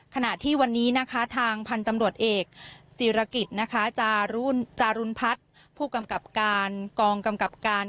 ขณะที่วันนี้นะคะทางพันธุ์ตำรวจเอกศิรกิจนะคะจารุณพัฒน์ผู้กำกับการกองกำกับการ